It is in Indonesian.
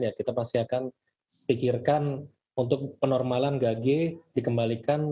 ya kita pasti akan pikirkan untuk penormalan gage dikembalikan